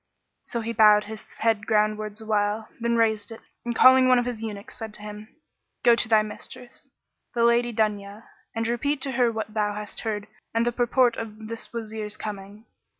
So he bowed his head groundwards awhile, then raised it and calling one of his eunuchs, said to him, "Go to thy mistress, the Lady Dunya, and repeat to her what thou hast heard and the purport of this Wazir's coming."